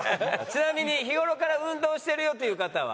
ちなみに日頃から運動してるよという方は？